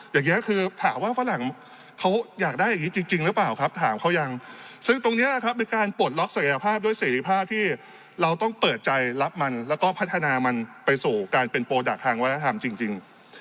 อย่างนี้คือถามว่าฝรั่งเขาอยากได้อย่างนี้จริงหรือเปล่าครับถามเขายังซึ่งตรงนี้นะครับเป็นการปลดล็อกศักยภาพด้วยเสรีภาพที่เราต้องเปิดใจรับมันแล้วก็พัฒนามันไปสู่การเป็นโปรดักต์ทางวัฒนธรรมจริง